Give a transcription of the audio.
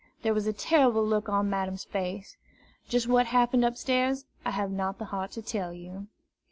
There was a terrible look on Madame's face. Just what happened upstairs, I have not the heart to tell you.